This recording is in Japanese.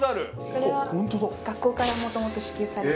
これは学校からもともと支給されます。